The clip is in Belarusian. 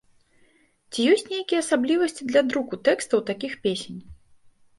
Ці ёсць нейкія асаблівасці для друку тэкстаў такіх песень?